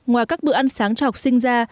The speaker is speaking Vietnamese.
ngoài các bữa ăn sáng cho học sinh ra